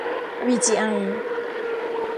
วีจีไอ